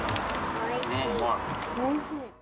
おいしい。